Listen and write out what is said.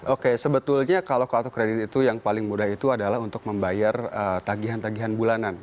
oke sebetulnya kalau kartu kredit itu yang paling mudah itu adalah untuk membayar tagihan tagihan bulanan